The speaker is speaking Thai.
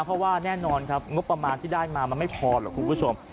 เพราะว่าแน่นอนครับงบประมาณที่ได้มามันไม่พอหรอกคุณผู้ชม